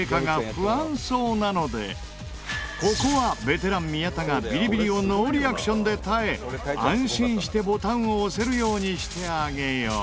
ここはベテラン宮田がビリビリをノーリアクションで耐え安心してボタンを押せるようにしてあげよう。